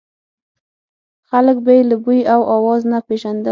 خلک به یې له بوی او اواز نه پېژندل.